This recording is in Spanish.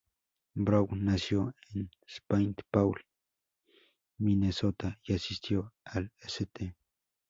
Brown nació en Saint Paul, Minnesota y asistió al St.